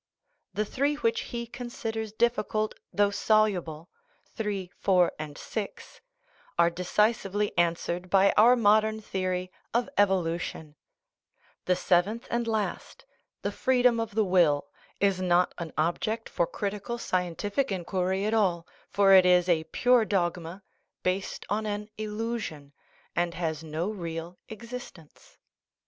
the three which he considers difficult, though soluble, (3, 4, and 6), are decisively answered by our modern theory of evolution ; the seventh and last, the freedom of the will, is not an object for critical, scientific inquiry at all, for it is a pure dogma, based on an illusion, and has no real existence.